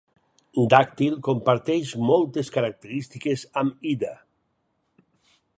Dàctil comparteix moltes característiques amb Ida.